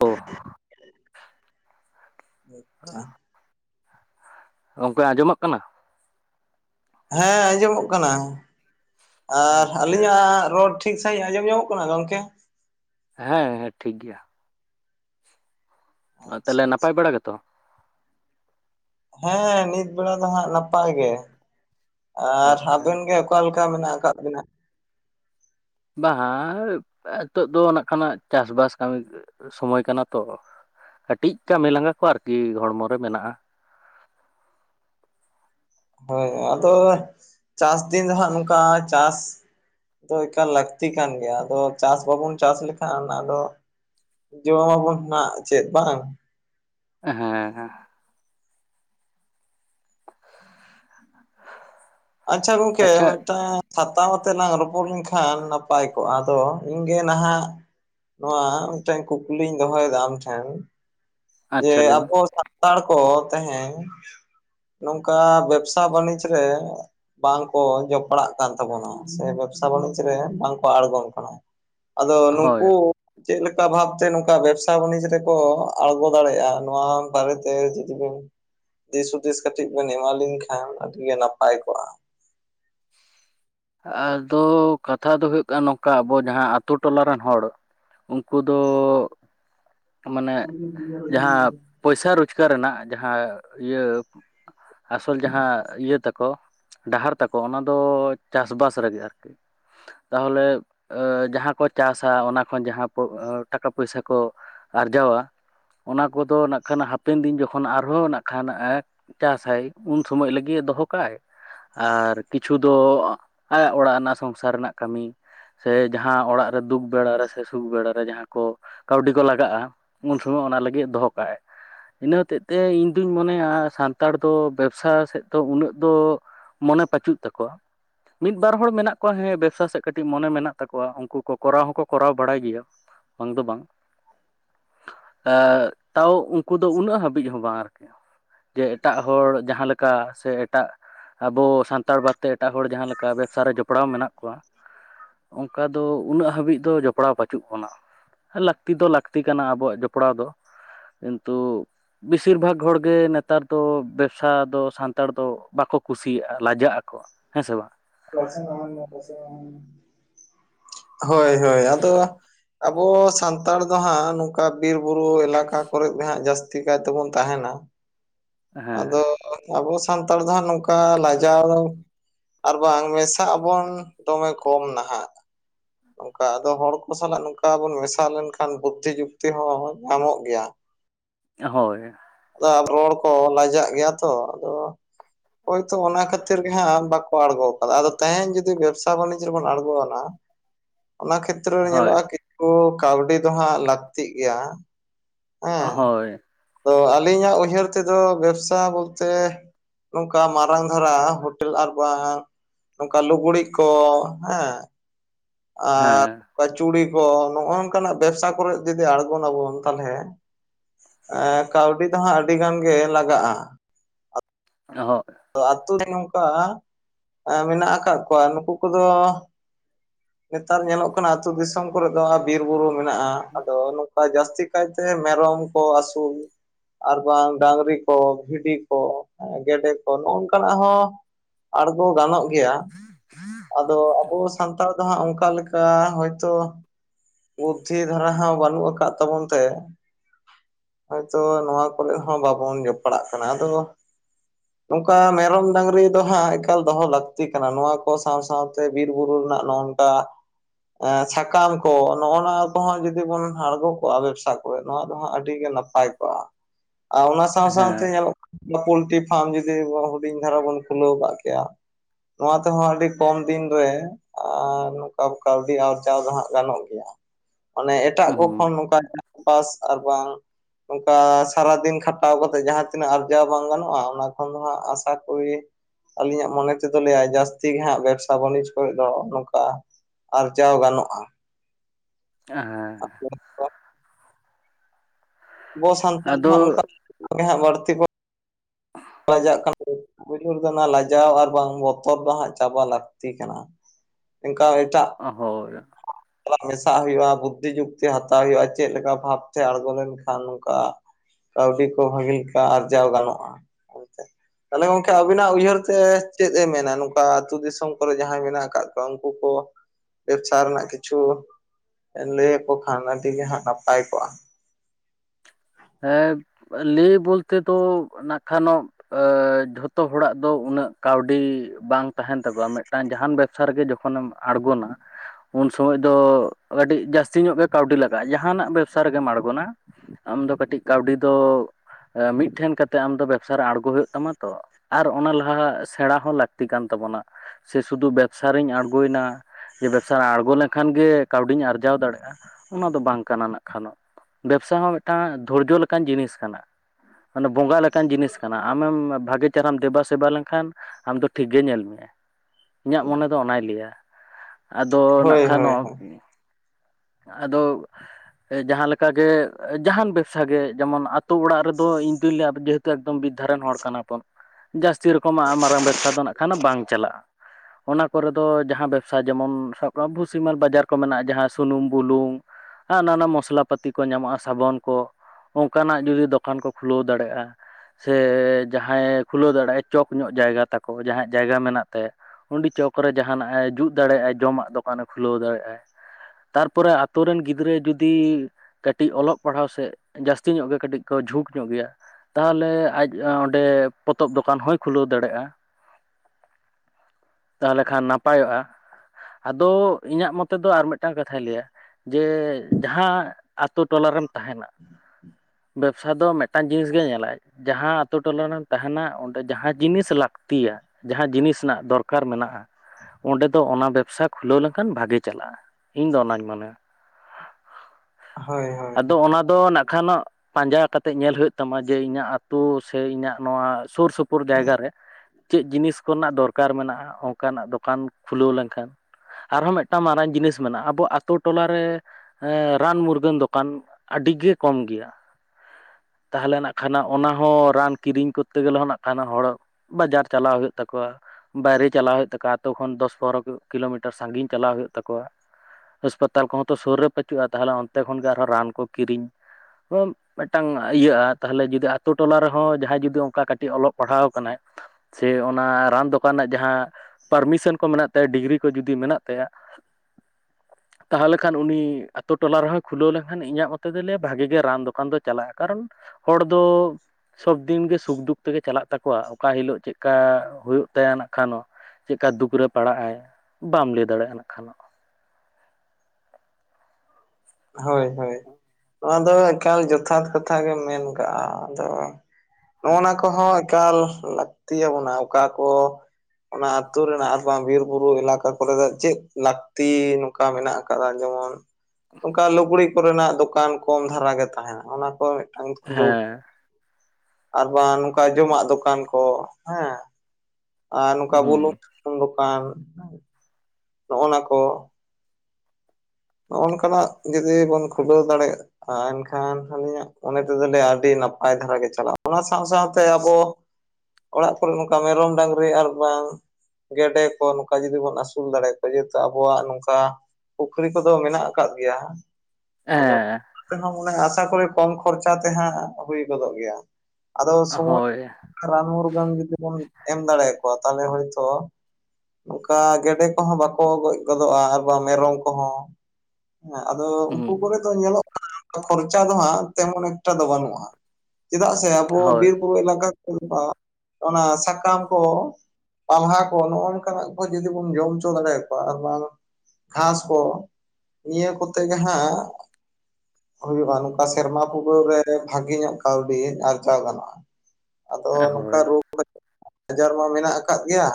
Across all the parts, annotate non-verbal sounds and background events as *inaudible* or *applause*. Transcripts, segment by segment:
ᱳᱦ᱾ *unintelligible* ᱟᱦ ᱜᱚᱢᱠᱮ ᱟᱸᱡᱚᱢᱚᱜ ᱠᱟᱱᱟ? ᱦᱮᱸ ᱟᱸᱡᱚᱢᱚᱜ ᱠᱟᱱᱟ, ᱟᱨ ᱟᱪᱪᱷᱟ ᱟᱹᱞᱤᱧᱟᱜ ᱨᱚᱲ ᱴᱷᱤᱠ ᱥᱟᱦᱤᱡ ᱟᱸᱡᱚᱢ ᱧᱟᱢᱚᱜ ᱠᱟᱱᱟ ᱜᱚᱢᱠᱮ? ᱦᱮᱸ ᱦᱮᱸ ᱴᱷᱤᱠ ᱜᱮᱭᱟ᱾ ᱟᱨ ᱟᱪᱪᱷᱟ ᱛᱟᱦᱞᱮ ᱱᱟᱯᱟᱭ ᱟᱪᱪᱷᱟ ᱵᱟᱲᱟ ᱜᱮᱛᱚ? ᱦᱮᱸ ᱱᱤᱛ ᱵᱮᱲᱟ ᱫᱚ ᱦᱟᱸᱜ ᱱᱟᱯᱟᱭ ᱜᱮ, ᱟᱨ ᱟᱪᱪᱷᱟ ᱟᱵᱮᱱ ᱜᱮ ᱚᱠᱟ ᱞᱮᱠᱟ ᱢᱮᱱᱟᱜ ᱟᱠᱟᱜ ᱵᱤᱱᱟ? ᱵᱟᱝ ᱱᱤᱛᱚᱜ ᱫᱚ ᱱᱟᱜ ᱠᱷᱱᱟᱜ ᱪᱟᱥᱵᱟᱥ ᱠᱟᱹᱢᱤ ᱥᱩᱢᱚᱭ ᱠᱟᱱᱟ ᱛᱚ᱾ ᱠᱟᱹᱴᱤᱡ ᱠᱟᱹᱢᱤ ᱞᱟᱸᱜᱟ ᱠᱚ ᱟᱨᱠᱤ ᱦᱚᱲᱢᱚ ᱨᱮ ᱢᱮᱱᱟᱜ-ᱟ᱾ ᱦᱳᱭ ᱟᱫᱚ ᱪᱟᱥ ᱫᱤᱱ ᱫᱚ ᱦᱟᱜ ᱱᱚᱝᱠᱟ ᱪᱟᱥ ᱫᱚ ᱮᱠᱟᱞ ᱞᱟᱹᱠᱛᱤ ᱠᱟᱱ ᱜᱮᱭᱟ, ᱟᱫᱚ ᱪᱟᱥ ᱵᱟᱵᱚᱱ ᱪᱟᱥ ᱞᱮᱠᱷᱟᱱ ᱟᱫᱚ ᱡᱚᱢᱟᱵᱚᱱ ᱱᱟᱜ ᱪᱮᱫ ᱵᱟᱝ? ᱦᱮᱸ ᱦᱮᱸ ᱾ ᱟᱪᱪᱷᱟ ᱜᱚᱝᱠᱮ ᱟᱪᱪᱷᱟ ᱢᱮᱫᱴᱟᱝ ᱥᱟᱛᱟᱢ ᱟᱛᱮ ᱞᱟᱝ ᱨᱚᱯᱚᱲ ᱞᱮᱝᱠᱷᱟᱱ ᱱᱟᱯᱟᱭ ᱠᱚᱜᱼᱟ, ᱟᱫᱚ ᱤᱧ ᱜᱮ ᱱᱟᱦᱟᱜ ᱱᱚᱣᱟ ᱢᱤᱫᱴᱮᱱ ᱠᱩᱠᱞᱤᱧ ᱫᱚᱦᱚᱭᱮᱫᱟ ᱟᱢᱴᱷᱮᱱ ᱾ ᱡᱮ ᱟᱪᱪᱷᱟ ᱞᱟᱹᱭ ᱢᱮ ᱟᱵᱚ ᱥᱟᱱᱛᱟᱲ ᱠᱚ ᱛᱮᱦᱮᱧ ᱱᱚᱝᱠᱟ ᱵᱮᱵᱥᱟ ᱵᱟᱹᱱᱤᱡ ᱨᱮ ᱵᱟᱝᱠᱚ ᱡᱚᱯᱲᱟᱜ ᱠᱟᱱ ᱛᱟᱵᱚᱱᱟ, ᱥᱮ ᱵᱮᱵᱽᱥᱟ ᱵᱟᱹᱱᱤᱡ ᱨᱮ ᱵᱟᱝᱠᱚ ᱟᱲᱜᱚᱱ ᱠᱟᱱᱟ, ᱟᱫᱚ ᱦᱳᱭ ᱱᱩᱝᱠᱩ ᱪᱮᱫ ᱞᱮᱠᱟ ᱵᱷᱟᱵᱛᱮ ᱱᱚᱝᱠᱟ ᱵᱮᱵᱽᱥᱟ ᱵᱟᱱᱤᱡᱽ ᱨᱮᱠᱚ ᱟᱲ ᱜᱳ ᱫᱟᱲᱮᱭᱟᱜᱼᱟ ᱱᱚᱣᱟ ᱵᱟᱨᱮᱛᱮ ᱡᱩᱫᱤ ᱵᱤᱱ ᱫᱤᱥ ᱦᱩᱫᱤᱥ ᱠᱟᱹᱴᱤᱡ ᱵᱮᱱ ᱮᱢᱟ ᱞᱤᱧ ᱠᱷᱟᱱ ᱟᱹᱰᱤ ᱜᱮ ᱱᱟᱯᱟᱭ ᱠᱚᱜᱼᱟ ᱾ ᱟᱫᱚ ᱠᱟᱛᱷᱟ ᱫᱚ ᱦᱩᱭᱩᱜ ᱠᱟᱱᱟ ᱱᱚᱝᱠᱟ ᱟᱵᱚ ᱡᱟᱦᱟᱸ ᱟᱛᱩ ᱴᱚᱞᱟ ᱨᱮᱱ ᱦᱚᱲ ᱩᱝᱠᱩ ᱫᱚ ᱢᱟᱱᱮ ᱡᱟᱦᱟᱸ ᱯᱚᱭᱥᱟ ᱨᱳᱪᱽᱠᱟᱨ ᱨᱮᱱᱟᱜ ᱡᱟᱦᱟᱸ ᱤᱭᱟᱹ ᱟᱥᱚᱞ ᱡᱟᱦᱟᱸ ᱤᱭᱟᱹ ᱛᱟᱠᱚ ᱰᱟᱦᱟᱨ ᱛᱟᱠᱚ ᱚᱱᱟ ᱫᱚ ᱪᱟᱥᱵᱟᱥ ᱨᱮᱜᱮ ᱟᱨᱠᱤ ᱾ ᱛᱟᱦᱚᱞᱮ ᱮ ᱡᱟᱦᱟᱸ ᱠᱚ ᱪᱟᱥᱟ ᱚᱱᱟ ᱠᱷᱚᱱ ᱡᱟᱦᱟᱸ ᱯᱚ ᱴᱟᱠᱟ ᱯᱚᱭᱥᱟ ᱠᱚ ᱟᱨᱡᱟᱣᱟ, ᱚᱱᱟ ᱠᱚᱫᱚ ᱱᱟᱜ ᱠᱷᱟᱱ ᱦᱟᱯᱮᱱ ᱫᱤᱱ ᱡᱚᱠᱷᱚᱱ ᱟᱨᱦᱚᱸ ᱱᱟᱜ ᱠᱷᱟᱱ ᱮ ᱪᱟᱥᱟᱭ, ᱩᱱ ᱥᱚᱢᱚᱡ ᱞᱟᱹᱜᱤᱜ ᱮ ᱫᱚᱦᱚ ᱠᱟᱜᱟᱭ, ᱟᱨ ᱠᱤᱪᱷᱩ ᱫᱚ ᱟᱭᱟᱜ ᱚᱲᱟᱜ ᱨᱮᱱᱟᱜ ᱥᱚᱝᱥᱟᱨ ᱨᱮᱱᱟᱜ ᱠᱟᱹᱢᱤ ᱥᱮ ᱡᱟᱦᱟᱸ ᱚᱲᱟᱜ ᱨᱮ ᱫᱩᱠ ᱵᱮᱲ ᱨᱮ ᱥᱮ ᱥᱩᱠ ᱵᱮᱲᱟ ᱨᱮ ᱡᱟᱦᱟᱸ ᱠᱚ ᱠᱟᱹᱣᱰᱤ ᱠᱚ ᱞᱟᱜᱟᱜᱼᱟ, ᱩᱱ ᱥᱚᱢᱚᱡ ᱚᱱᱟ ᱞᱟᱹᱜᱤᱜ ᱮ ᱫᱚᱦᱚ ᱠᱟᱜᱼᱟᱭ ᱾ ᱤᱱᱟᱹ ᱦᱚᱛᱮᱜ ᱛᱮ ᱤᱧ ᱫᱩᱧ ᱢᱚᱱᱮᱭᱟ ᱥᱟᱱᱛᱟᱲ ᱫᱚ ᱵᱮᱵᱽᱥᱟ ᱥᱮᱫ ᱫᱚ ᱩᱱᱟᱹᱜ ᱫᱚ ᱢᱚᱱᱮ ᱯᱟᱪᱩᱜ ᱛᱟᱠᱚᱣᱟ ᱾ ᱢᱤᱫ ᱵᱟᱨ ᱦᱚᱲ ᱢᱮᱱᱟᱜ ᱠᱚᱣᱟ ᱦᱮᱸ ᱵᱮᱵᱽᱥᱟ ᱥᱮᱫ ᱠᱟᱹᱴᱤᱡ ᱢᱚᱱᱮ ᱢᱮᱱᱟᱜ ᱛᱟᱠᱚᱣᱟ ᱩᱝᱠᱩ ᱠᱚ ᱠᱚᱨᱟᱣ ᱦᱚᱸᱠᱚ ᱠᱚᱨᱟᱣ ᱵᱟᱲᱟᱭ ᱜᱮᱭᱟ ᱾ ᱵᱟᱝ ᱫᱚ ᱵᱟᱝ᱾ ᱮ ᱛᱟᱣ ᱩᱝᱠᱩ ᱫᱚ ᱩᱱᱟᱹᱜ ᱦᱟᱹᱵᱤᱡ ᱦᱚᱸ ᱵᱟᱝ ᱾ ᱡᱮ ᱮᱴᱟᱜ ᱦᱚᱲ ᱡᱟᱦᱟᱸ ᱞᱮᱠᱟ ᱥᱮ ᱮᱴᱟᱜ ᱟᱵᱚ ᱥᱟᱱᱛᱟᱲ ᱵᱟᱛᱮᱫ ᱮᱴᱟᱜ ᱦᱚᱲ ᱡᱟᱦᱟᱸ ᱞᱮᱠᱟ ᱵᱮᱵᱽᱥᱟ ᱨᱮ ᱡᱚᱯᱲᱟᱣ ᱢᱮᱱᱟᱜ ᱠᱚᱣᱟ ᱾ ᱚᱝᱠᱟ ᱫᱚ ᱩᱱᱟᱹᱜ ᱦᱟᱹᱵᱤᱡ ᱫᱚ ᱡᱚᱯᱲᱟᱣ ᱯᱟᱪᱩᱜ ᱠᱟᱱᱟ ᱾ ᱦᱮᱸ ᱞᱟᱹᱠᱛᱤ ᱫᱚ ᱞᱟᱹᱠᱛᱤ ᱠᱟᱱᱟ ᱟᱵᱚᱣᱟᱜ ᱡᱚᱯᱲᱟᱣ ᱫᱚ, ᱠᱤᱱᱛᱩ ᱵᱮᱥᱤᱨ ᱵᱷᱟᱜᱽ ᱦᱚᱲᱜᱮ ᱱᱮᱛᱟᱨ ᱫᱚ ᱵᱮᱵᱽᱥᱟ ᱫᱚ ᱥᱟᱱᱛᱟᱲ ᱫᱚ ᱵᱟᱠᱚ ᱠᱩᱥᱤᱭᱟᱜᱼᱟ ᱞᱟᱡᱟᱜ ᱟᱠᱚ ᱾ ᱦᱮᱸ ᱥᱮ ᱵᱟᱝ? *unintelligible* ᱦᱳᱭ ᱦᱳᱭ ᱟᱫᱚ ᱟᱵᱚ ᱥᱟᱱᱛᱟᱲ ᱫᱚ ᱦᱟᱸᱜ ᱱᱚᱝᱠᱟ ᱵᱤᱨᱵᱩᱨᱩ ᱮᱞᱟᱠᱟ ᱠᱚᱨᱮᱫ ᱜᱮ ᱦᱟᱸᱜ ᱡᱟᱹᱥᱛᱤ ᱠᱟᱭ ᱛᱮᱵᱚᱱ ᱛᱟᱦᱮᱱᱟ ᱾ ᱟᱫᱚ ᱦᱮᱸ ᱟᱵᱚ ᱥᱟᱱᱛᱟᱲ ᱫᱚ ᱦᱟᱸᱜ ᱱᱚᱝᱠᱟ ᱞᱟᱡᱟᱣ ᱟᱨ ᱵᱟᱝ ᱢᱮᱥᱟᱜ ᱟᱵᱚᱱ ᱫᱚᱢᱮ ᱠᱚᱢ ᱱᱟᱦᱟᱜ ᱾ ᱱᱚᱝᱠᱟ ᱟᱫᱚ ᱦᱚᱲ ᱠᱚ ᱥᱟᱞᱟᱜ ᱱᱚᱝᱠᱟ ᱵᱚᱱ ᱢᱮᱥᱟ ᱞᱮᱱᱠᱷᱟᱱ ᱵᱩᱫᱽᱫᱷᱤ ᱡᱩᱠᱛᱤ ᱦᱚᱸ ᱧᱟᱢᱚᱜ ᱜᱮᱭᱟ ᱾ ᱦᱳᱭ ᱦᱳᱭ ᱾ ᱟᱫᱚ ᱨᱚᱲ ᱠᱚ ᱞᱟᱡᱟᱜ ᱜᱮᱭᱟ ᱛᱚ ᱟᱫᱚ ᱦᱳᱭᱛᱚ ᱚᱱᱟ ᱠᱷᱟᱹᱛᱤᱨ ᱜᱮ ᱦᱟᱸᱜ ᱵᱟᱠᱚ ᱟᱬᱜᱚ ᱠᱟᱫᱟ ᱛᱮᱦᱮᱧ ᱡᱩᱫᱤ ᱵᱮᱵᱽᱥᱟ ᱵᱟᱱᱤᱡᱽ ᱨᱮᱵᱚᱱ ᱟᱬᱜᱚᱱᱟ, ᱚᱱᱟ ᱠᱷᱮᱛᱨᱮ ᱨᱮ ᱦᱳᱭ ᱧᱮᱞᱚᱜᱼᱟ ᱠᱚ ᱠᱟᱹᱣᱰᱤ ᱫᱚ ᱦᱟᱸᱜ ᱞᱟᱹᱠᱛᱤᱜ ᱜᱮᱭᱟ᱾ ᱦᱮᱸ ᱦᱚᱭ ᱾ ᱛᱚ ᱟᱹᱞᱤᱧᱟᱜ ᱩᱭᱦᱟᱹᱨ ᱛᱮᱫᱚ ᱵᱮᱵᱽᱥᱟ ᱵᱚᱞᱛᱮ ᱱᱚᱝᱠᱟ ᱢᱟᱨᱟᱝ ᱫᱷᱟᱨᱟ ᱦᱳᱴᱮᱞ ᱟᱨ ᱵᱟᱝ ᱱᱚᱝᱠᱟ ᱞᱩᱜᱽᱲᱤᱡ ᱠᱚ ᱦᱮᱸ ᱟᱨ ᱦᱮᱸ ᱠᱟ ᱪᱩᱲᱤ ᱠᱚ ᱱᱚᱜᱼᱚ ᱱᱚᱜᱼᱚᱠᱟᱱᱟᱜ ᱵᱮᱵᱽᱥᱟ ᱠᱚᱨᱮᱫ ᱡᱩᱫᱤ ᱟᱬᱜᱚᱱᱟᱵᱚᱱ ᱛᱟᱞᱦᱮ ᱮᱸ ᱠᱟᱹᱣᱰᱤ ᱫᱚᱦᱟᱸᱜ ᱟᱹᱰᱤ ᱜᱟᱱ ᱜᱮ ᱞᱟᱜᱟᱜᱼᱟ ᱾ *inaudible* ᱟᱛᱳ ᱨᱮ ᱱᱚᱝᱠᱟ ᱮ ᱢᱮᱱᱟᱜ ᱠᱟᱜ ᱠᱚᱣᱟ ᱱᱩᱠᱩ ᱠᱚᱫᱚ ᱱᱮᱛᱟᱨ ᱧᱮᱞᱚᱜ ᱠᱟᱱᱟ ᱟᱹᱛᱩ ᱫᱤᱥᱚᱢ ᱠᱚᱨᱮ ᱫᱚ ᱵᱤᱨ ᱵᱩᱨᱩ ᱢᱮᱱᱟᱜᱼᱟ ᱟᱫᱚ ᱠᱟ ᱡᱟᱹᱥᱛᱤ ᱠᱟᱭᱛᱮ ᱢᱮᱨᱚᱢ ᱠᱚ ᱟᱹᱥᱩᱞ᱾ ᱟᱨ ᱵᱟᱝ ᱰᱟᱝᱨᱤ ᱠᱚ, ᱵᱷᱤᱰᱤ ᱠᱚ, ᱦᱮᱸ ᱜᱮᱰᱮ ᱠᱚ ᱱᱚᱜᱼᱚᱝᱠᱟᱱᱟᱜ ᱦᱚᱸ ᱟᱬᱜᱳ ᱜᱟᱱᱚᱜ ᱜᱮᱭᱟ ᱾ ᱟᱫᱚ ᱟᱵᱚ ᱥᱟᱱᱛᱟᱲ ᱫᱚ ᱦᱟᱸᱜ ᱚᱝᱠᱟ ᱞᱮᱠᱟ ᱦᱚᱭᱛᱚ ᱵᱩᱫᱽᱫᱷᱤ ᱫᱷᱟᱨᱟ ᱦᱚᱸ ᱵᱟᱹᱱᱩᱜ ᱟᱠᱟᱜ ᱛᱟᱵᱚᱱ ᱛᱮ ᱦᱚᱭᱛᱚ ᱱᱚᱣᱟ ᱠᱚᱨᱮᱜ ᱦᱚᱸ ᱵᱟᱵᱚᱱ ᱡᱚᱯᱟᱲᱟᱜ ᱠᱟᱱᱟ ᱟᱫᱚ *inaudible* ᱱᱚᱝᱠᱟ ᱢᱮᱨᱚᱢ ᱰᱟᱝᱨᱤ ᱫᱚ ᱦᱟᱸᱜ ᱮᱠᱟᱞ ᱫᱚᱦᱚ ᱞᱟᱹᱠᱛᱤ ᱠᱟᱱᱟ ᱱᱚᱣᱟ ᱠᱚ ᱥᱟᱶ ᱥᱟᱶᱛᱮ ᱵᱤᱨ ᱵᱩᱨᱩ ᱨᱮᱱᱟᱜ ᱱᱚᱝ ᱠᱟ ᱮᱸ ᱥᱟᱠᱟᱢ ᱠᱚ ᱱᱚᱜᱼᱚ ᱱᱚᱣᱟ ᱠᱚ ᱦᱟᱸᱜ ᱡᱩᱫᱤ ᱵᱚᱱ ᱟᱬᱜᱚ ᱠᱚᱜᱼᱟ ᱵᱮᱵᱽᱥᱟ ᱠᱚᱨᱮᱫ ᱱᱚᱣᱟ ᱫᱚᱦᱟᱸᱜ ᱟᱹᱰᱤ ᱜᱮ ᱱᱟᱯᱟᱭ ᱠᱚᱜᱼᱟ ᱾ ᱟ ᱚᱱᱟ ᱥᱟᱶ ᱥᱟᱶᱛᱮ ᱦᱮᱸ ᱧᱮᱞᱚᱜ ᱯᱳᱞᱴᱤ ᱯᱷᱟᱢ ᱡᱩᱫᱤ ᱵᱚ ᱦᱩᱰᱤᱧ ᱫᱷᱟᱨᱟ ᱵᱚᱱ ᱠᱷᱩᱞᱟᱹᱣ ᱠᱟᱜ ᱠᱮᱭᱟ ᱾ ᱱᱚᱣᱟ ᱛᱮᱦᱚᱸ ᱟᱹᱰᱤ ᱠᱚᱢ ᱫᱤᱱ ᱨᱮ ᱟᱨ ᱱᱚᱝᱠᱟ ᱠᱟᱹᱣᱰᱤ ᱟᱨᱡᱟᱣ ᱫᱚ ᱦᱟᱸᱜ ᱜᱟᱱᱚᱜ ᱜᱮᱭᱟ ᱢᱟᱱᱮ ᱮᱴᱟᱜ ᱠᱚ ᱠᱷᱚᱱ ᱦᱩᱸ ᱱᱚᱝᱠᱟ ᱪᱟᱥᱵᱟᱥ ᱟᱨ ᱵᱟᱝ ᱱᱚᱝᱠᱟ ᱥᱟᱨᱟᱫᱤᱱ ᱠᱷᱟᱴᱟᱣ ᱠᱟᱛᱮᱜ ᱡᱟᱦᱟᱸ ᱛᱤᱱᱟᱹᱜ ᱟᱨᱡᱟᱣ ᱵᱟᱝ ᱜᱟᱱᱚᱜᱼᱟ ᱚᱱᱟ ᱠᱷᱚᱱ ᱫᱚ ᱦᱟᱸᱜ ᱟᱥᱟ ᱠᱚᱨᱤ ᱟᱞᱤᱧᱟᱜ ᱢᱚᱱᱮ ᱛᱮᱫᱚ ᱞᱟᱹᱭᱟᱭ ᱡᱟᱹᱥᱛᱤ ᱜᱮ ᱦᱟᱸᱜ ᱵᱮᱵᱽᱥᱟ ᱵᱟᱱᱤᱡᱽ ᱠᱚᱨᱮ ᱫᱚ ᱱᱚᱝᱠᱟ ᱟᱨᱡᱟᱣ ᱜᱟᱱᱚᱜᱼᱟ᱾ ᱮᱦᱮᱸ *inaudible* ᱵᱚ ᱥᱟᱱᱛᱟᱲ ᱟᱫᱚ ᱫᱚᱦᱟᱸᱜ *unintelligible* ᱵᱟᱹᱲᱛᱤ ᱵᱚ ᱞᱟᱡᱟᱜ *unintelligible* ᱞᱟᱡᱟᱣ ᱟᱨ ᱵᱟᱝ ᱵᱚᱛᱚᱨ ᱫᱚ ᱦᱟᱸᱜ ᱪᱟᱵᱟ ᱞᱟᱹᱠᱛᱤ ᱠᱟᱱᱟ᱾ ᱮᱝᱠᱟ ᱮᱴᱟᱜ ᱦᱳᱭ᱾ ᱢᱮᱥᱟᱜ ᱦᱩᱭᱩᱜᱼᱟ ᱵᱩᱫᱽᱫᱷᱤ ᱡᱩᱠᱛᱤ ᱦᱟᱛᱟᱣ ᱦᱩᱭᱩᱜᱼᱟ ᱪᱮᱜ ᱞᱮᱠᱟ ᱵᱷᱟᱵᱽᱛᱮ ᱟᱬᱜᱚ ᱞᱮᱱᱠᱷᱟᱱ ᱱᱚᱝᱠᱟ ᱠᱟᱹᱣᱰᱤ ᱠᱚ ᱵᱷᱟᱜᱤ ᱞᱮᱠᱟ ᱟᱨᱡᱟᱣ ᱜᱟᱱᱚᱜᱼᱟ ᱦᱳᱭ ᱥᱮ᱾ ᱛᱟᱦᱞᱮ ᱜᱚᱝᱠᱮ ᱟᱵᱤᱱᱟᱜ ᱩᱭᱦᱟᱹᱨ ᱛᱮ ᱪᱮᱫ ᱮ ᱢᱮᱱᱟ ᱱᱚᱝᱠᱟ ᱟᱹᱛᱩ ᱫᱤᱥᱚᱢ ᱠᱚᱨᱮ ᱡᱟᱦᱟᱸᱭ ᱢᱮᱱᱟᱜ ᱠᱟᱜ ᱠᱚᱣᱟ ᱩᱱᱠᱩ ᱠᱚ ᱵᱮᱵᱽᱥᱟ ᱨᱮᱱᱟᱜ ᱠᱤᱪᱷᱩ ᱞᱟᱹᱭᱟᱠᱚ ᱠᱷᱟᱱ ᱟᱹᱰᱤ ᱜᱮ ᱦᱟᱸᱜ ᱱᱟᱯᱟᱭ ᱠᱚᱜᱼᱟ᱾ ᱦᱮᱸ ᱞᱟᱹᱭ ᱵᱚᱞᱛᱮ ᱫᱚ ᱱᱟᱠᱷᱟᱱᱚᱜ ᱮ ᱡᱷᱚᱛᱚ ᱦᱚᱲᱟᱜ ᱫᱚ ᱩᱱᱟᱹᱜ ᱠᱟᱹᱣᱰᱤ ᱵᱟᱝ ᱛᱟᱦᱮᱱ ᱛᱟᱠᱚᱣᱟ ᱢᱤᱜᱴᱟᱝ ᱡᱟᱦᱟᱱ ᱵᱮᱵ ᱥᱟ ᱨᱮᱜᱮ ᱡᱚᱠᱷᱚᱱᱮᱢ ᱟᱬᱜᱚᱱᱟ ᱩᱱ ᱥᱚᱢᱚᱭ ᱫᱚ ᱠᱟᱹᱴᱤᱡ ᱡᱟᱹᱥᱛᱤ ᱧᱚᱜ ᱜᱮ ᱠᱟᱹᱣᱰᱤ ᱞᱟᱜᱟᱜᱼᱟ ᱡᱟᱦᱟᱱᱟᱜ ᱵᱮᱵᱽᱥᱟ ᱨᱮᱜᱮᱢ ᱟᱬᱜᱚᱱᱟ᱾ ᱟᱢ ᱫᱚ ᱠᱟᱹᱴᱤᱡ ᱠᱟᱹᱣᱰᱤ ᱫᱚ ᱮ ᱢᱤᱜᱴᱷᱮᱱ ᱠᱟᱛᱮᱜ ᱟᱢ ᱫᱚ ᱵᱮᱵᱥᱟ ᱨᱮ ᱟᱬᱜᱚ ᱦᱩᱭᱩᱜ ᱛᱟᱢᱟ ᱛᱚ᱾ ᱟᱨ ᱚᱱᱟ ᱞᱟᱦᱟ ᱥᱮᱬᱟ ᱦᱚᱸ ᱞᱟᱹᱠᱛᱤ ᱠᱟᱱ ᱛᱟᱵᱚᱱᱟ᱾ ᱥᱮ ᱥᱩᱫᱷᱩ ᱵᱮᱵᱽᱥᱟᱨ ᱨᱤᱧ ᱟᱬᱜᱩᱭᱱᱟ ᱡᱮ ᱵᱮᱵᱥᱟ ᱟᱬᱜᱚ ᱞᱮᱱᱠᱷᱟᱱ ᱜᱮ ᱠᱟᱹᱣᱰᱤᱧ ᱟᱨᱡᱟᱣ ᱫᱟᱲᱮᱜᱼᱟ ᱚᱱᱟ ᱫᱚ ᱵᱟᱝ ᱠᱟᱱᱟ ᱱᱟᱜ ᱠᱷᱟᱱᱚᱜ, ᱵᱮᱵᱽᱥᱟ ᱦᱚᱸ ᱢᱤᱜᱴᱟᱱ ᱫᱷᱳᱨᱡᱚ ᱞᱮᱠᱟᱱ ᱡᱤᱱᱤᱥ ᱠᱟᱱᱟ᱾ ᱚᱱᱮ ᱵᱚᱸᱜᱟ ᱞᱮᱠᱟᱱ ᱡᱤᱱᱤᱥ ᱠᱟᱱᱟ ᱟᱢᱮᱢ ᱵᱷᱟᱜᱮ ᱪᱮᱦᱨᱟᱢ ᱫᱮᱵᱟᱼᱥᱮᱵᱟ ᱞᱮᱱᱠᱷᱟᱱ ᱟᱢ ᱫᱚ ᱴᱷᱤᱠ ᱜᱮ ᱧᱮᱞ ᱢᱮᱭᱟ ᱤᱧᱟᱜ ᱢᱚᱱᱮ ᱫᱚ ᱚᱱᱟᱭ ᱞᱮᱭᱟ ᱾ ᱟᱫᱚ ᱱᱟᱜ ᱦᱳᱭ ᱠᱷᱟᱱᱚ ᱦᱳᱭ ᱦᱳᱭ ᱟᱫᱚ ᱡᱟᱦᱟ ᱞᱮᱠᱟ ᱜᱮ ᱡᱟᱦᱟᱱ ᱵᱮᱵᱥᱟ ᱜᱮ ᱡᱮᱢᱚᱱ ᱟᱛᱳ ᱚᱲᱟᱜ ᱨᱮᱫᱚ ᱤᱧ ᱫᱩᱧ ᱞᱟᱹᱭᱟ ᱡᱮ ᱮᱠᱫᱚᱢ ᱵᱤᱫᱽᱫᱷᱟ ᱨᱮᱱ ᱦᱚᱲ ᱠᱟᱱᱟ ᱵᱚᱱ ᱡᱟᱹᱥᱛᱤ ᱨᱚᱠᱚᱢᱟᱜ ᱢᱟᱨᱟᱝ ᱵᱮᱵᱽᱥᱟ ᱫᱚ ᱱᱟᱜ ᱠᱷᱟᱱ ᱵᱟᱝ ᱪᱟᱞᱟᱜᱼᱟ ᱾ ᱚᱱᱟ ᱠᱚᱨᱮ ᱫᱚ ᱡᱟᱦᱟᱸ ᱵᱮᱵᱥᱟ ᱡᱮᱢᱚᱱ ᱥᱟᱵ ᱠᱟᱜ ᱵᱷᱩᱥᱤᱢᱟᱞ ᱵᱟᱡᱟᱨ ᱠᱚ ᱡᱟᱦᱟᱸ ᱥᱩᱱᱩᱢ ᱵᱩᱞᱩᱝ ᱟᱨ ᱱᱟᱱᱟ ᱢᱚᱥᱞᱟ ᱯᱟᱹᱛᱤ ᱠᱚ ᱧᱟᱢᱚᱜᱼᱟ ᱥᱟᱵᱚᱱ ᱠᱚ ᱾ ᱚᱝᱠᱟᱱᱟᱜ ᱡᱩᱫᱤ ᱫᱚᱠᱟᱱ ᱠᱚ ᱠᱷᱩᱞᱟᱹᱣ ᱫᱟᱲᱮᱜᱼᱟ ᱾ ᱥᱮ ᱡᱟᱦᱟᱸᱭᱮ ᱠᱷᱩᱞᱟᱹᱣ ᱫᱟᱲᱮᱭᱟᱜᱼᱼᱟ ᱪᱚᱠ ᱧᱚᱜ ᱡᱟᱭᱜᱟ ᱛᱟᱠᱚ ᱡᱟᱦᱟᱸᱭᱟᱜ ᱡᱟᱭᱜᱟ ᱢᱮᱱᱟᱜ ᱛᱟᱭᱟ ᱾ ᱩᱰᱤ ᱪᱚᱠ ᱨᱮ ᱡᱟᱦᱱᱟᱜ ᱮ ᱡᱩᱛ ᱫᱟᱲᱮᱭᱟᱜ-ᱟ ᱡᱚᱢᱟᱜ ᱫᱚᱠᱟᱱ ᱮ ᱠᱷᱩᱞᱟᱹᱣ ᱫᱟᱲᱮᱭᱟᱜ-ᱟᱭ ᱾ ᱛᱟᱨᱯᱚᱨᱮ ᱟᱛᱳ ᱨᱮᱱ ᱜᱤᱫᱽᱨᱟᱹ ᱡᱩᱚᱫᱤ ᱠᱟᱹᱴᱤᱡ ᱚᱞᱚᱜ ᱯᱟᱲᱦᱟᱣ ᱥᱮᱫ ᱡᱟᱹᱥᱛᱤ ᱧᱚᱜ ᱜᱮᱭᱟ ᱠᱟᱹᱴᱤᱡ ᱠᱚ ᱡᱷᱩᱠ ᱧᱚᱜ ᱜᱮᱭᱟ ᱾ ᱛᱟᱦᱚᱞᱮ ᱟᱡ ᱚᱸᱰᱮ ᱯᱚᱛᱚᱵ ᱫᱚᱠᱟᱱ ᱦᱚᱸᱭ ᱠᱷᱩᱞᱟᱹᱣ ᱫᱟᱲᱮᱭᱟᱜᱼᱟ ᱾ ᱛᱟᱦᱚᱞᱮ ᱠᱷᱟᱱ ᱱᱟᱯᱟᱭᱚᱜᱼᱟ ᱟᱫᱚ ᱤᱧᱟᱹᱜ ᱢᱚᱛᱮ ᱫᱚ ᱟᱨ ᱢᱤᱫᱴᱟᱝ ᱠᱟᱛᱷᱟ ᱠᱟᱛᱷᱟᱭ ᱞᱟᱹᱭᱟ ᱡᱮ ᱡᱟᱦᱟᱸ ᱟᱛᱳ ᱴᱚᱞᱟᱮᱢ ᱛᱟᱦᱮᱱᱟ ᱾ ᱵᱮᱵᱽᱥᱟ ᱫᱚ ᱢᱤᱫᱴᱟᱝ ᱡᱤᱱᱤᱥ ᱜᱮ ᱧᱮᱞᱟᱭ ᱡᱟᱦᱟᱸ ᱟᱛᱳ ᱴᱚᱞᱟᱨᱮᱢ ᱛᱟᱦᱮᱱᱟ ᱚᱸᱰᱮ ᱡᱟᱦᱟᱸ ᱡᱤᱱᱤᱥ ᱞᱟᱹᱠ ᱛᱤᱭᱟ ᱡᱟᱦᱟᱸ ᱡᱤᱱᱤᱥ ᱨᱮᱱᱟᱜ ᱫᱚᱨᱠᱟᱨ ᱢᱮᱱᱟᱜᱼᱟ ᱾ ᱚᱸᱰᱮ ᱫᱚ ᱚᱱᱟ ᱵᱮᱵᱽᱥᱟ ᱠᱷᱩᱞᱟᱹᱣ ᱞᱮᱱᱠᱷᱟᱱ ᱵᱷᱟᱜᱮ ᱪᱟᱞᱟᱜᱼᱟ ᱤᱧ ᱫᱚ ᱚᱱᱟᱧ ᱢᱚᱱᱮᱭᱟ ᱾ ᱦᱳᱭ ᱦᱳᱭ ᱟᱫᱚ ᱚᱱᱟ ᱫᱚ ᱱᱟᱜ ᱠᱷᱟᱱᱚᱜ ᱯᱟᱸᱡᱟ ᱠᱟᱛᱮᱜ ᱧᱮᱞ ᱦᱩᱭᱩᱜ ᱛᱟᱢᱟ ᱡᱮ ᱤᱧᱟᱹᱜ ᱟᱹᱛᱩ ᱥᱮ ᱤᱧᱟᱹᱜ ᱱᱚᱣᱟ ᱥᱩᱨ ᱥᱩᱯᱩᱨ ᱡᱟᱭᱜᱟ ᱨ ᱪᱮᱫ ᱡᱤᱱᱤᱥ ᱠᱚᱨᱮᱱᱟᱜ ᱫᱚᱨᱠᱟᱨ ᱢᱮᱱᱟᱜᱼᱟ ᱚᱱᱠᱟᱱᱟᱜ ᱫᱚᱠᱟᱱ ᱠᱷᱩᱞᱟᱹᱣ ᱞᱮᱱᱠᱷᱟᱱ ᱾ ᱟᱨᱦᱚ ᱢᱤᱫᱴᱟᱝ ᱢᱟᱨᱟᱝ ᱡᱤᱱᱤᱥ ᱢᱮᱱᱟᱜᱼᱟ ᱟᱵᱚ ᱟᱹᱛᱳ ᱨᱮ ᱨᱟᱱ ᱢᱩᱨᱜᱟᱹᱱ ᱫᱚᱠᱟᱱ ᱟᱹᱰᱤᱜᱮ ᱠᱚᱢ ᱜᱮᱭᱟ ᱾ ᱛᱟᱦᱚᱞᱮ ᱱᱟᱜ ᱠᱷᱟᱱ ᱚᱱᱟ ᱦᱚᱸ‌ ᱨᱟᱱ ᱠᱤᱨᱤᱧ ᱠᱚᱨᱛᱮ ᱜᱮᱞᱮ ᱱᱟᱜ ᱠᱷᱟᱱ ᱦᱚᱲ ᱾ ᱵᱟᱡᱟᱨ ᱪᱟᱞᱟᱣ ᱦᱩᱭᱩᱜ ᱛᱟᱠᱚᱣᱟ ᱾ ᱵᱟᱭᱨᱮ ᱪᱟᱞᱟᱣ ᱦᱩᱭᱩᱜ ᱛᱟᱠᱚᱣᱟ ᱟᱛᱳ ᱠᱷᱚᱱ ᱫᱚᱥ ᱯᱚᱱᱨᱚ ᱠᱤᱞᱳᱢᱤᱴᱟᱨ ᱥᱟᱺᱜᱤᱧ ᱪᱟᱞᱟᱣ ᱦᱩᱭᱩᱜ ᱛᱟᱠᱚᱣᱟ ᱾ ᱦᱟᱥᱯᱟᱛᱟᱞ ᱠᱚᱦᱚᱸ ᱛᱚ ᱥᱩᱨ ᱨᱮ ᱯᱟᱹᱪᱩᱜᱼᱟ ᱛᱟᱦᱚᱞᱮ ᱚᱱᱛᱮ ᱠᱷᱚᱱᱜᱮ ᱟᱨᱦᱚᱸ ᱨᱟᱱ ᱠᱚ ᱠᱤᱨᱤᱧ ᱦᱚ ᱢᱮᱴᱟᱝ ᱟᱜ ᱤᱭᱟᱹᱜᱼᱟ ᱛᱟᱦᱚᱞᱮ ᱡᱩᱫᱤ ᱟᱛᱳ ᱴᱚᱞᱟ ᱨᱮᱦᱚᱸ ᱡᱟᱦᱟᱸᱭ ᱡᱩᱫᱤ ᱚᱱᱠᱟ ᱠᱟᱹᱴᱤᱡ ᱚᱞᱚᱜ ᱯᱟᱲᱦᱟᱣ ᱠᱟᱱᱟᱭ ᱾ ᱥᱮ ᱚᱱᱟ ᱨᱟᱱ ᱫᱚᱠᱟᱱ ᱨᱮᱱᱟᱜ ᱡᱟᱦᱟᱸ ᱯᱟᱨᱢᱤᱥᱮᱱ ᱠᱚ ᱢᱮᱱᱟᱜ ᱛᱟᱭᱟ ᱰᱤᱜᱽᱨᱤ ᱠᱚ ᱡᱩᱫᱤ ᱢᱮᱱᱟᱜ ᱛᱟᱭᱟ ᱾ ᱛᱟᱦᱚᱞᱮ ᱠᱷᱟᱱ ᱩᱱᱤ ᱟᱹᱛᱩ ᱴᱚᱞᱟ ᱨᱮᱦᱚᱸᱭ ᱠᱷᱩᱞᱟᱹᱣ ᱞᱮᱠᱷᱟᱱ ᱤᱧᱟᱹᱜ ᱢᱚᱛᱮ ᱫᱚᱭ ᱞᱟᱹᱭᱟ ᱵᱷᱟᱜᱤ ᱜᱮ ᱨᱟᱱ ᱫᱚᱠᱟᱱ ᱫᱚ ᱪᱟᱞᱟᱜᱼᱟ᱾ ᱠᱟᱨᱚᱱ ᱦᱚᱲ ᱫᱚ ᱥᱚᱵᱫᱤᱱ ᱜᱮ ᱥᱩᱠᱫᱩᱠ ᱛᱮᱜᱮ ᱪᱟᱞᱟᱜ ᱛᱟᱠᱚᱣᱟ ᱾ ᱚᱠᱟ ᱦᱤᱞᱳᱜ ᱪᱮᱜᱠᱟ ᱦᱩᱭᱩᱜ ᱛᱟᱭᱟ ᱱᱟᱜ ᱠᱷᱟᱱᱚᱜ ᱾ ᱪᱮᱫᱠᱟ ᱫᱩᱠ ᱨᱮ ᱯᱟᱲᱟᱜᱼ ᱟᱭ ᱵᱟᱢ ᱞᱟᱹᱭ ᱫᱟᱲᱮᱭᱟᱜᱼᱟ ᱱᱟᱜ ᱠᱷᱟᱱ ᱾ ᱦᱳᱭ ᱦᱳᱭ ᱱᱚᱣᱟ ᱫᱚ ᱮᱠᱟᱞ ᱡᱚᱛᱷᱟᱛ ᱠᱟᱛᱷᱟ ᱜᱮᱢ ᱢᱮᱱ ᱠᱟᱜᱼᱟ ᱟᱫᱚ ᱱᱚᱜᱼ ᱱᱟ ᱠᱚᱦᱚᱸ ᱮᱠᱟᱞ ᱞᱟᱹᱠᱛᱤᱭᱟᱵᱚᱱᱟ ᱚᱠᱟ ᱠᱚ ᱚᱱᱟ ᱟᱹᱛᱩ ᱨᱮᱱᱟᱜ ᱟᱨ ᱵᱟᱝ ᱵᱤᱨ ᱵᱩᱨᱩ ᱮᱞᱟᱠᱟ ᱠᱚᱨᱮ ᱫᱚ ᱪᱮᱫ ᱞᱟᱹᱠᱛᱤ ᱱᱚᱝᱠᱟ ᱢᱮᱱᱟᱜ ᱟᱠᱟᱫᱟ ᱡᱮᱢᱚᱱ ᱚᱱᱠᱟ ᱞᱩᱜᱽᱲᱤ ᱠᱚᱨᱮᱱᱟᱜ ᱫᱚᱠᱟᱱ ᱠᱚᱢ ᱫᱷᱟᱨᱟ ᱜᱮ ᱛᱟᱦᱮᱱᱟ ᱚᱱᱟ ᱠᱚ ᱢᱤᱫᱴᱟᱱ ᱠᱷᱩᱞᱟᱹᱣ ᱦᱮᱸ ᱟᱨ ᱵᱟᱝ ᱱᱚᱝᱠᱟ ᱡᱚᱢᱟᱜ ᱫᱚᱠᱟᱱ ᱠᱚ ᱦᱮᱸ ᱾ ᱟᱨ ᱱᱚᱝᱠᱟ ᱦᱩᱸ ᱵᱩᱞᱩᱝ ᱥᱩᱱᱩᱢ ᱫᱚᱠᱟᱱ ᱱᱚᱜᱱᱟ ᱠᱚ ᱾ ᱱᱚᱜᱼᱚ ᱱᱚᱝᱠᱟᱱᱟᱜ ᱡᱩᱫᱤ ᱵᱚᱱ ᱠᱷᱩᱞᱟᱹᱣ ᱫᱟᱲᱮᱭᱟᱜ ᱾ ᱮᱱᱠᱷᱟᱱ ᱟᱹᱞᱤᱧᱟᱜ ᱢᱚᱱᱮ ᱛᱮᱫᱚ ᱞᱟᱹᱭᱟ ᱟᱹᱰᱤ ᱱᱟᱯᱟᱭ ᱫᱷᱟᱨᱟ ᱜᱮ ᱪᱟᱞᱟᱜᱼᱟ ᱚᱱᱟ ᱥᱟᱶ ᱥᱟᱶᱛᱮ ᱟᱵᱚ ᱚᱲᱟᱜ ᱠᱚᱨᱮ ᱱᱚᱝᱠᱟ ᱢᱮᱨᱚᱢ ᱰᱟᱝᱨᱤ ᱟᱨ ᱵᱟᱝ ᱜᱮᱰᱮ ᱠᱚ ᱱᱚᱝᱠᱟ ᱡᱩᱫᱤ ᱵᱚᱱ ᱟᱹᱥᱩᱞ ᱫᱟᱲᱮᱭᱟᱠᱚᱣᱟ ᱡᱮᱦᱮᱛᱩ ᱟᱵᱚᱣᱟᱜ ᱱᱚᱝᱠᱟ ᱯᱩᱠᱷᱨᱤ ᱠᱚᱫᱚ ᱢᱮᱱᱟᱜ ᱟᱠᱟᱫ ᱜᱮᱭᱟ ᱾ ᱟᱫᱚ ᱦᱮᱸ ᱛᱮᱦᱚᱸ ᱚᱱᱮ ᱟᱥᱟ ᱠᱚᱨᱮ ᱠᱚᱢ ᱠᱷᱚᱨᱪᱟ ᱛᱮᱦᱟᱸᱜ ᱦᱩᱭ ᱜᱚᱫᱚᱜ ᱜᱮᱭᱟ᱾ ᱟᱫᱚ ᱥᱚᱢᱚᱭ ᱦᱳᱭ ᱨᱟᱱ ᱢᱩᱨᱜᱟᱹᱱ ᱡᱩᱫᱤ ᱵᱚᱱ ᱮᱢ ᱫᱟᱲᱮᱭᱟ ᱠᱚᱣᱟ ᱛᱟᱦᱚᱞᱮ ᱦᱚᱭᱛᱳ ᱱᱚᱝᱠᱟ ᱜᱮᱰᱮ ᱠᱚᱦᱚᱸ ᱵᱟᱠᱚ ᱜᱚᱡ ᱜᱚᱫᱚᱜᱼᱟ ᱟᱨ ᱵᱟᱝ ᱢᱮᱨᱚᱢ ᱠᱚᱦᱚᱸ ᱦᱮᱸ ᱟᱫᱚ ᱩᱱᱠᱩ ᱦᱩᱸ ᱠᱚᱨᱮ ᱫᱚ ᱧᱮᱞᱚᱜ ᱠᱟᱱᱟ ᱠᱷᱚᱨᱪᱟ ᱫᱚ ᱦᱟᱸᱜ ᱛᱮᱢᱚᱱ ᱮᱠᱴᱟ ᱫᱚ ᱵᱟᱹᱱᱩᱜᱼᱟ᱾ ᱪᱮᱫᱟᱜ ᱥᱮ ᱟᱵᱚ ᱦᱳᱭ ᱵᱤᱨ ᱠᱚ ᱮᱞᱟᱠᱟ ᱚᱱᱟ ᱥᱟᱠᱟᱢ ᱠᱚ ᱯᱟᱞᱦᱟ ᱠᱚ ᱱᱚᱜᱼᱚ ᱠᱟᱱᱟᱜ ᱠᱚ ᱡᱩᱫᱤ ᱵᱚᱱ ᱡᱚᱢ ᱪᱚ ᱫᱟᱲᱮᱭᱟ ᱠᱚᱣᱟ ᱟᱨ ᱵᱟᱝ ᱜᱷᱟᱥ ᱠᱚ ᱱᱤᱭᱟᱹ ᱠᱚᱛᱮ ᱜᱮ ᱦᱟᱸᱜ ᱦᱩᱭᱩᱜᱼᱟ ᱱᱚᱝᱠᱟ ᱥᱮᱨᱢᱟ ᱯᱩᱨᱟᱹᱣ ᱨᱮ ᱵᱷᱟᱹᱜᱤ ᱧᱚᱜ ᱠᱟᱹᱣᱰᱤ ᱟᱨᱡᱟᱣ ᱜᱟᱱᱚᱜᱼᱟ᱾ ᱟᱫᱚ ᱱᱚᱝᱠᱟ ᱦᱳᱭ ᱨᱳᱜᱽ ᱟᱡᱟᱨ ᱢᱟ ᱢᱮᱱᱟᱜ ᱟᱠᱟᱫ ᱜᱮᱭᱟ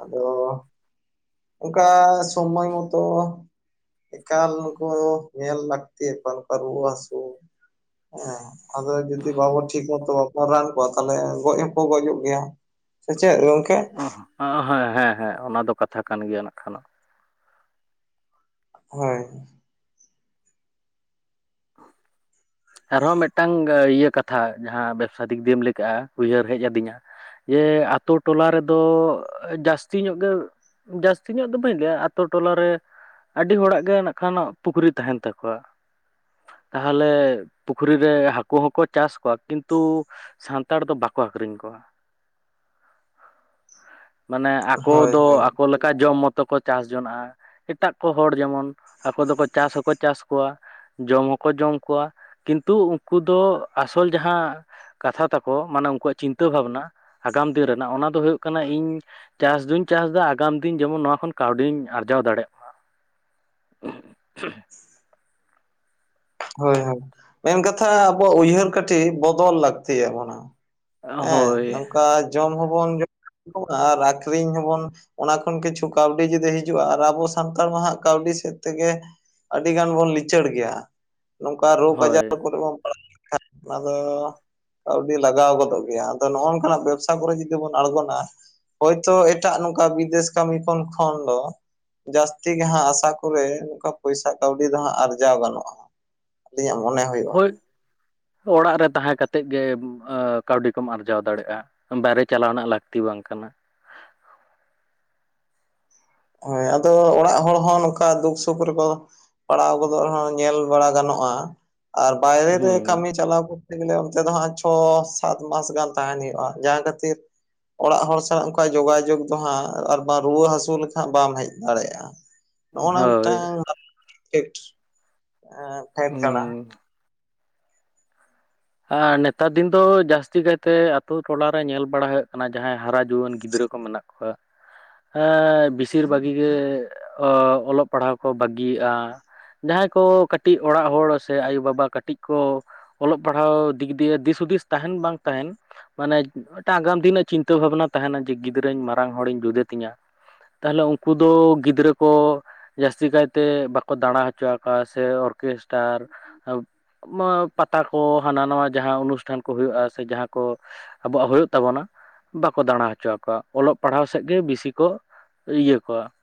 ᱟᱫᱚ ᱚᱝᱠᱟ ᱥᱚᱢᱚᱭ ᱢᱚᱛᱚ ᱮᱠᱟᱞ ᱩᱱᱠᱩ ᱧᱮᱞ ᱞᱟᱹᱠᱛᱤ ᱚᱠᱟ ᱞᱮᱠᱟ ᱨᱩᱣᱟᱹ ᱦᱟᱹᱥᱩ ᱦᱮᱸ ᱟᱫᱚ ᱡᱩᱫᱤ ᱵᱟᱵᱚ ᱴᱷᱤᱠ ᱢᱚᱛᱚ ᱵᱟᱵᱚᱱ ᱨᱟᱱ ᱠᱚᱣᱟ ᱛᱟᱦᱚᱞᱮ ᱜᱚᱡᱽ ᱦᱚᱸᱠᱚ ᱜᱚᱡᱚᱜ ᱜᱮᱭᱟ ᱥᱮ ᱪᱮᱫ? ᱚᱸ ᱦᱮᱸ ᱦᱮᱸ ᱦᱮᱸ ᱚᱱᱟ ᱫᱚ ᱠᱟᱛᱷᱟ ᱠᱟᱱ ᱜᱮᱭᱟ ᱱᱟᱜ ᱠᱷᱟᱱ ᱫᱚ ᱦᱳᱭ᱾ ᱟᱨᱦᱚᱸ ᱢᱤᱫᱴᱟᱝ ᱤᱭᱟᱹ ᱠᱟᱛᱷᱟ ᱡᱟᱦᱟᱸ ᱵᱮᱵᱽᱥᱟ ᱫᱤᱠ ᱫᱤᱭᱮᱢ ᱞᱟᱹᱭᱠᱟᱜᱼᱟ ᱩᱭᱦᱟᱹᱨ ᱦᱮᱡ ᱟᱹᱫᱤᱧᱟ ᱡᱮ ᱟᱛᱳ ᱴᱚᱞᱟ ᱨᱮᱫᱚ ᱡᱟᱹᱥᱛᱤ ᱧᱚᱜ ᱜᱮ ᱡᱟᱹᱥᱛᱤ ᱧᱚᱜ ᱫᱚ ᱵᱟᱹᱧ ᱞᱟᱹᱭᱟ ᱟᱹᱛᱩ ᱴᱚᱞᱟ ᱨᱮ ᱟᱹᱰᱤ ᱦᱚᱲᱟᱜ ᱜᱮ ᱱᱟᱜ ᱠᱷᱟᱱ ᱯᱩᱠᱷᱨᱤ ᱛᱟᱦᱮᱱ ᱛᱟᱠᱚᱣᱟ ᱛᱟᱦᱚᱞᱮ ᱯᱩᱠᱷᱨᱤ ᱨᱮ ᱦᱟᱹᱠᱩ ᱦᱚᱸᱠᱚ ᱪᱟᱥ ᱠᱚᱣᱟ ᱠᱤᱱᱛᱩ ᱥᱟᱱᱛᱟᱲ ᱫᱚ ᱵᱟᱠᱚ ᱟᱠᱷᱨᱤᱧ ᱠᱚᱣᱟ᱾ ᱢᱟᱱᱮ ᱟᱠᱚ ᱦᱳᱭ ᱫᱚ ᱦᱳᱭ ᱟᱠᱚ ᱞᱟᱹ ᱚᱱᱠᱟ ᱡᱚᱢ ᱢᱚᱛᱚ ᱠᱚ ᱪᱟᱥ ᱡᱚᱱᱟᱜᱼᱟ ᱮᱴᱟᱜ ᱠᱚ ᱦᱚᱲ ᱡᱮᱢᱚᱱ ᱟᱠᱚ ᱫᱚᱠᱚ ᱪᱟᱥ ᱦᱚᱸᱠᱚ ᱪᱟᱥ ᱠᱚᱣᱟ ᱡᱚᱢ ᱦᱚᱸᱠᱚ ᱡᱚᱢ ᱠᱚᱣᱟ ᱠᱤᱱᱛᱩ ᱩᱱᱠᱩ ᱫᱚ ᱟᱥᱚᱞ ᱡᱟᱦᱟᱸ ᱠᱟᱛᱷᱟ ᱛᱟᱠᱚ ᱢᱟᱱᱮ ᱩᱱᱠᱩᱣᱟᱜ ᱪᱤᱱᱛᱟᱹ ᱵᱷᱟᱵᱽᱱᱟ ᱟᱜᱟᱢ ᱫᱤᱱ ᱨᱮᱱᱟᱜ ᱚᱱᱟ ᱫᱚ ᱦᱩᱭᱩᱜ ᱠᱟᱱᱟ ᱤᱧ ᱪᱟᱥ ᱫᱩᱧ ᱪᱟᱥ ᱮᱫᱟ ᱟᱜᱟᱢ ᱫᱤᱱ ᱡᱮᱢᱚᱱ ᱱᱚᱣᱟ ᱠᱷᱚᱱ ᱠᱟᱹᱣᱰᱤᱧ ᱟᱨᱡᱟᱣ ᱫᱟᱲᱮᱭᱟᱜ ᱢᱟ᱾ *unintelligible* ᱦᱳᱭ ᱦᱳᱭ ᱢᱮᱱ ᱠᱟᱛᱷᱟ ᱟᱵᱚᱣᱟᱜ ᱩᱭᱦᱟᱹᱨ ᱠᱟᱹᱴᱤᱡ ᱵᱚᱫᱚᱞ ᱞᱟᱹᱠᱛᱤ ᱭᱟᱵᱚᱱᱟ᱾ ᱢᱟ᱾ ᱦᱮᱸ ᱦᱳᱭ ᱱᱚᱝᱠᱟ ᱡᱚᱢ ᱦᱚᱸᱵᱚᱱ ᱡᱚᱢᱟ ᱠᱚᱣᱟ ᱟᱨ ᱟᱠᱷᱨᱤᱧ ᱦᱚᱸᱵᱚᱱ ᱚᱱᱟ ᱠᱷᱚᱱ ᱠᱤᱪᱷᱩ ᱠᱟᱹᱣᱰᱤ ᱡᱩᱫᱤ ᱦᱤᱡᱩᱜᱼᱟ ᱟᱨ ᱟᱵᱚ ᱥᱟᱱᱛᱟᱲ ᱢᱟᱦᱟᱜ ᱠᱟᱹᱣᱰᱤ ᱥᱮᱫ ᱛᱮᱜᱮ ᱟᱹᱰᱤ ᱜᱟᱱ ᱵᱚᱱ ᱞᱤᱪᱟᱹᱲ ᱜᱮᱭᱟ᱾ ᱱᱚᱝᱠᱟ ᱨᱳᱜᱽ ᱟᱡᱟᱨ ᱦᱳᱭ ᱠᱚᱨᱮ ᱵᱚᱱ ᱯᱟᱲᱟᱣ ᱞᱮᱱᱠᱷᱟᱱ ᱚᱱᱟ ᱫᱚ ᱠᱟᱹᱣᱰᱤ ᱞᱟᱜᱟᱣ ᱜᱚᱫᱚᱜ ᱜᱮᱭᱟ ᱟᱫᱚ ᱱᱚᱜᱼᱚᱝ ᱠᱟᱱᱟᱜ ᱵᱮᱵᱥᱟ ᱠᱚᱨᱮ ᱡᱩᱫᱤ ᱵᱚᱱ ᱟᱬᱜᱚᱱᱟ ᱦᱳᱭᱛᱳ ᱮᱴᱟᱜ ᱱᱚᱝᱠᱟ ᱵᱤᱫᱮᱥ ᱠᱟᱹᱢᱤ ᱠᱚ ᱠᱷᱚᱱ ᱫᱚ ᱡᱟᱹᱥᱛᱤ ᱜᱮ ᱦᱟᱸᱜ ᱟᱥᱟ ᱠᱚᱨᱮ ᱱᱚᱝᱠᱟ ᱯᱚᱭᱥᱟ ᱠᱟᱹᱣᱰᱤ ᱫᱚ ᱦᱟᱸᱜ ᱟᱨᱡᱟᱣ ᱜᱟᱱᱚᱜ-ᱟ ᱾ ᱟᱹᱞᱤᱧᱟᱜ ᱢᱚᱱᱮ ᱦᱩᱭᱩᱜ-ᱟ ᱾ ᱦᱳᱭ ᱚᱲᱟᱜ ᱨᱮ ᱛᱟᱦᱮᱸ ᱠᱟᱛᱮᱫ ᱜᱮ ᱠᱟᱹᱣᱰᱤ ᱠᱚᱢ ᱟᱨᱡᱟᱣ ᱫᱟᱲᱮᱭᱟᱜ-ᱟ ᱾ ᱵᱟᱭᱨᱮ ᱪᱟᱞᱟᱣ ᱨᱮᱱᱟᱜ ᱞᱟᱹᱠᱛᱤ ᱵᱟᱝ ᱠᱟᱱᱟ ᱾ ᱦᱳᱭ ᱟᱫᱚ ᱚᱲᱟᱜ ᱦᱚᱲ ᱦᱚᱸ ᱱᱚᱝᱠᱟ ᱫᱩᱠ ᱥᱩᱠ ᱨᱮᱠᱚ ᱯᱟᱲᱟᱣ ᱜᱚᱫᱚᱜ ᱨᱮᱦᱚᱸ ᱧᱮᱞ ᱵᱟᱲᱟ ᱜᱟᱱᱚᱜᱼᱟ ᱟᱨ ᱵᱟᱭᱨᱮ ᱨᱮ ᱦᱩᱸ ᱠᱟᱹᱢᱤ ᱪᱟᱞᱟᱣ *unintelligible* ᱚᱱᱛᱮ ᱫᱚ ᱦᱟᱸᱜ ᱪᱷᱚ ᱥᱟᱛ ᱢᱟᱥ ᱜᱟᱱ ᱛᱟᱦᱮᱱ ᱦᱩᱭᱩᱜ-ᱟ ᱡᱟᱦᱟᱸ ᱠᱷᱟᱹᱛᱤᱨ ᱚᱲᱟᱜ ᱦᱚᱲ ᱥᱟᱜ ᱚᱝᱠᱟ ᱡᱳᱜᱟᱡᱳᱜᱽ ᱫᱚ ᱦᱟᱸᱜ ᱟᱨ ᱵᱟᱝ ᱨᱩᱣᱟᱹ ᱦᱟᱹᱥᱩ ᱞᱮᱠᱷ ᱦᱟᱸᱜ ᱵᱟᱢ ᱦᱮᱡ ᱫᱟᱲᱮᱭᱟᱜ-ᱟ ᱱᱚᱜ-ᱚ ᱱᱟ ᱦᱳᱭ ᱢᱤᱫᱴᱟᱝ ᱯᱷᱮᱠᱴ ᱾ ᱮᱸ ᱯᱷᱮᱠᱴ ᱠᱟᱱᱟ ᱦᱩᱸ ᱟᱨ ᱱᱮᱛᱟᱨ ᱫᱤᱱ ᱫᱚ ᱡᱟᱹᱥᱛᱤ ᱠᱟᱭᱛᱮ ᱟᱛᱳ ᱟ ᱱᱮᱛᱟᱨ ᱫᱤᱱ ᱫᱚ ᱡᱟᱹᱥᱛᱤ ᱠᱟᱭᱛᱮ ᱟᱛᱩ ᱴᱚᱞᱟ ᱨᱮ ᱧᱮᱞ ᱵᱟᱲᱟ ᱦᱩᱭᱩᱜ ᱠᱟᱱᱟ ᱡᱟᱦᱟᱸᱭ ᱦᱟᱨᱟ ᱡᱩᱣᱟᱹᱱ ᱜᱤᱫᱽᱨᱟᱹ ᱠᱚ ᱢᱮᱱᱟᱜ ᱦᱚᱭ ᱦᱮᱸ ᱵᱮᱥᱤᱨ ᱵᱟᱜᱤ ᱜᱮ ᱚ ᱚᱞᱚᱜ ᱯᱟᱲᱦᱟᱣ ᱠᱚ ᱵᱟᱹᱜᱤᱭᱮᱜᱼᱟ᱾ ᱡᱟᱦᱟᱸᱭ ᱠᱚ ᱠᱟᱹᱴᱤᱡ ᱚᱲᱟᱜ ᱦᱚᱲ ᱥᱮ ᱟᱭᱳᱵᱟᱵᱟ ᱠᱟᱹᱴᱤᱡ ᱠᱚ ᱚᱞᱚᱜ ᱯᱟᱲᱦᱟᱣ ᱫᱤᱠ ᱫᱤᱭᱮ ᱫᱤᱥ ᱦᱩᱫᱤᱥ ᱛᱟᱦᱮᱱ ᱵᱟᱝ ᱛᱟᱦᱮᱱ ᱢᱟᱱᱮ ᱢᱤᱫᱴᱟᱝ ᱟᱜᱟᱢ ᱫᱤᱱᱟᱜ ᱪᱤᱱᱛᱟᱹ ᱵᱷᱟᱵᱱᱟ ᱛᱟᱦᱮᱱᱟ ᱡᱮ ᱜᱤᱫᱽᱨᱟᱹᱧ ᱢᱟᱨᱟᱝ ᱦᱚᱲᱤᱧ ᱡᱩᱫᱮ ᱛᱤᱧᱟ ᱛᱟᱦᱚᱞᱮ ᱩᱱᱠᱩ ᱫᱚ ᱜᱤᱫᱽᱨᱟᱹ ᱠᱚ ᱡᱟᱹᱥᱛᱤ ᱠᱟᱭ ᱛᱮ ᱵᱟᱠᱚ ᱫᱟᱸᱬᱟ ᱦᱚᱪᱚ ᱟᱠᱚᱣᱟ ᱥᱮ ᱚᱨᱠᱮᱥᱴᱟᱨ ᱢᱟ ᱯᱟᱛᱟ ᱠ ᱠᱚ ᱦᱟᱱᱟ ᱱᱟᱣᱟ ᱡᱟᱦᱟᱸ ᱚᱱᱩᱥᱴᱷᱟᱱ ᱠᱚ ᱦᱩᱭᱩᱜᱼᱟ ᱥᱮ ᱡᱟᱦᱟᱸ ᱠᱚ ᱟᱵᱚᱣᱟᱜ ᱦᱩᱭᱩᱜ ᱛᱟᱵᱚᱱᱟ ᱾ ᱵᱟᱠᱚ ᱫᱟᱬᱟ ᱦᱚᱪᱚ ᱟᱠᱚᱣᱟ ᱚᱞᱚᱜ ᱯᱟᱲᱦᱟᱣ ᱥᱮᱫ ᱜᱮ ᱵᱮᱥᱤ ᱠᱚ ᱤᱭᱟᱹ ᱠᱚᱣᱟ ᱾